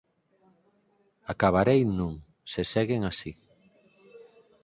Acabarei nun, se seguen así.